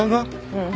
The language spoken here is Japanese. うん。